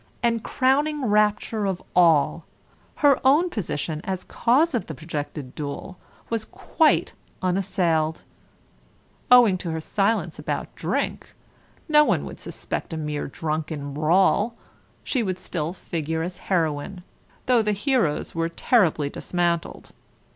And, crowning rapture of all, her own position as cause of the projected duel was quite unassailed. Owing to her silence about drink, no one would suspect a mere drunken brawl: she would still figure as heroine, though the heroes were terribly dismantled.